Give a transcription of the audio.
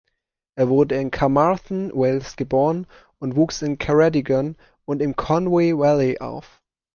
Er wurde in Carmarthen, Wales, geboren und wuchs in Ceredigion und im Conwy Valley auf.